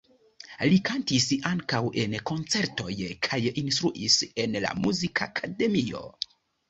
Li kantis ankaŭ en koncertoj kaj instruis en la muzikakademio.